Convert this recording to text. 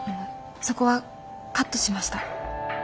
そこはカットしました。